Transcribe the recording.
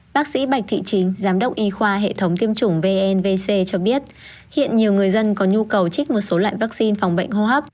bác sĩ bạch thị chính giám đốc y khoa hệ thống tiêm chủng vnvc cho biết hiện nhiều người dân có nhu cầu trích một số loại vaccine phòng bệnh hô hấp